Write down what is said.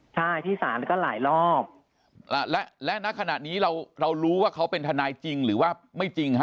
ใช่ที่ศาลก็หลายรอบและและณขณะนี้เราเรารู้ว่าเขาเป็นทนายจริงหรือว่าไม่จริงฮะ